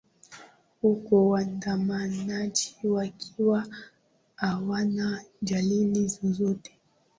huku waandamanaji wakiwa hawana jalili zozote